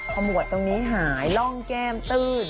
ขมวดตรงนี้หายร่องแก้มตื้น